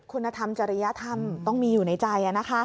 คุณธรรมจริยธรรมต้องมีอยู่ในใจ